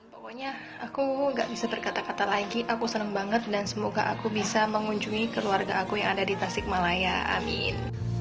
pokoknya aku gak bisa berkata kata lagi aku senang banget dan semoga aku bisa mengunjungi keluarga aku yang ada di tasik malaya amin